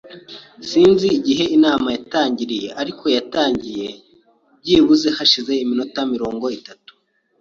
Sinzi igihe inama yatangiriye, ariko yatangiye byibuze hashize iminota mirongo itatu.